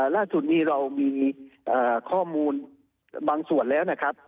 ล่าสุดนี้เรามีข้อมูลบางส่วนแล้วนะครับ